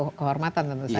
ya suatu kehormatan tentu saja